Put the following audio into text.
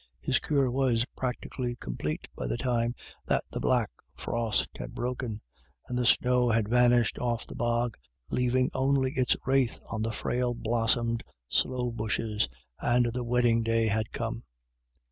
His cure was practically complete by the time that the black frost had broken, and the snow had vanished off the bog, leaving only its wraith BETWEEN TWO LAD Y DA VS. 24 1 on the frail blossomed sloe bushes, and the wedding day had come.